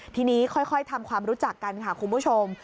ทีนี้ค่อยทำความรู้จักกันค่ะคุณผู้ชม